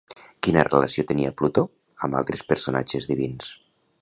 Quina relació tenia Plutó amb altres personatges divins?